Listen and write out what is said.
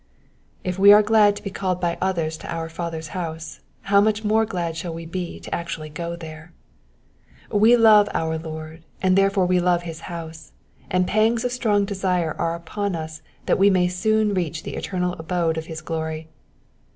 If we are glad to be called by others to our Father's house?, how much more glad shall we be actually to go there. We love our Lord, and therefore we love his house, and pangs of strong desire are upon us that we may soon reach the eternal abode of his glory.